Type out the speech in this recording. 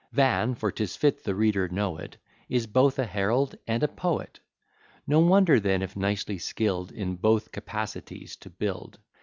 Van (for 'tis fit the reader know it) Is both a Herald and a Poet; No wonder then if nicely skill'd In both capacities to build.